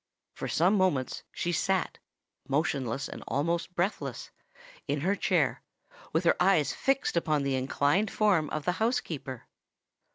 For some moments she sate, motionless and almost breathless, in her chair, with her eyes fixed upon the inclined form of the housekeeper.